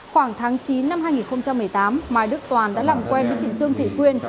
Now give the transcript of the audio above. khoảng tháng chín năm hai nghìn một mươi tám mai đức toàn đã làm quen với chị dương thị quyên